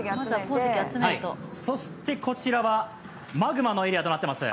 そしてこちらはマグマのエリアとなっています。